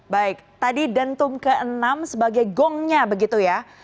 baik tadi dentum ke enam sebagai gongnya begitu ya